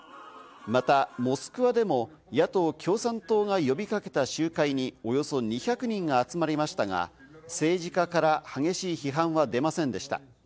またモスクワでも野党・共産党が呼び掛けた集会に、およそ２００人が集まりましたが、政治家から激しい批判は出ませんでした。